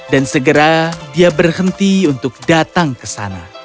dan segera dia berhenti untuk datang ke sana